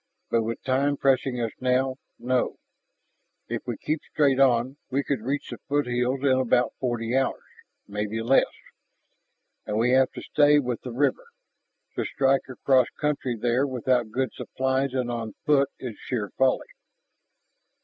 But with time pressing us now, no. If we keep straight on, we could reach the foothills in about forty hours, maybe less. And we have to stay with the river. To strike across country there without good supplies and on foot is sheer folly."